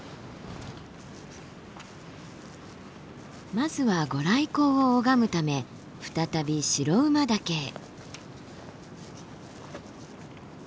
まずは御来光を拝むため再び白馬岳へ。